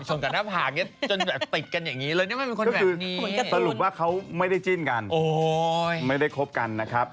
จนแบบปิดกันอย่างนี้เลยนี่มันเป็นคุณแบบ